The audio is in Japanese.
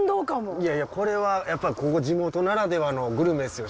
いやいやこれはやっぱここ地元ならではのグルメですよ。